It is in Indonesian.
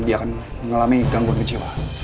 dia akan mengalami gangguan kejiwaan